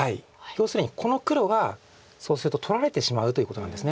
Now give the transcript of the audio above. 要するにこの黒がそうすると取られてしまうということなんです。